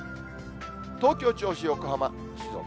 東京、銚子、横浜、静岡。